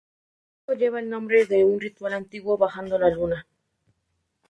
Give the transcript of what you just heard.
El disco lleva el nombre de un ritual antiguo, "bajando la Luna".